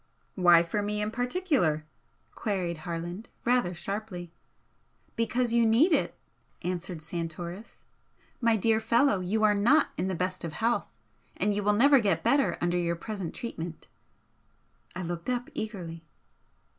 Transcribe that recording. "Why for me in particular?" queried Harland, rather sharply. "Because you need it," answered Santoris "My dear fellow, you are not in the best of health. And you will never get better under your present treatment." I looked up eagerly.